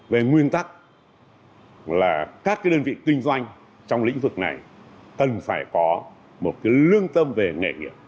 về nguyên tắc là các cái đơn vị kinh doanh trong lĩnh vực này cần phải có một lương tâm về nghề nghiệp